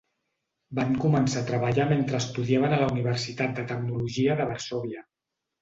Van començar a treballar mentre estudiaven a la Universitat de Tecnologia de Varsòvia.